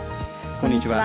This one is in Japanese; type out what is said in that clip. こんにちは。